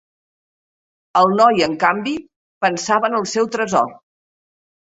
El noi, en canvi, pensava en el seu tresor.